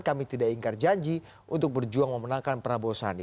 kami tidak ingkar janji untuk berjuang memenangkan prabowo sandi